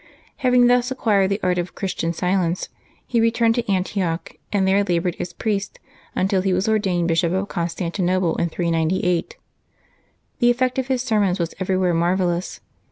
Having thus acquired the art of Christian silence, he re turned to Antioch, and there labored as priest, until he was ordained Bishop of Constantinople in 398. The effect of his sermons was everywhere marvellous.